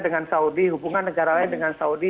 dengan saudi hubungan negara lain dengan saudi